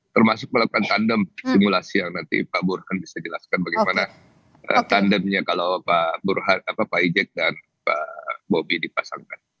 termasuk melakukan tandem simulasi yang nanti pak burhan bisa jelaskan bagaimana tandemnya kalau pak ijek dan pak bobi dipasangkan